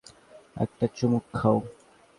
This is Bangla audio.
একটা চুমুক খাউ।